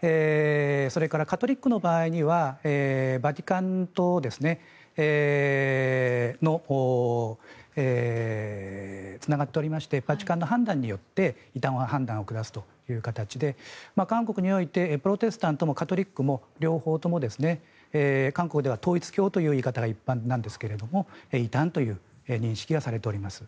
それからカトリックの場合にはバチカンとつながっておりましてバチカンの判断によって異端の判断を下すという形で韓国においてプロテスタントもカトリックも両方とも韓国では統一教という言い方が一般なんですが異端という認識がされております。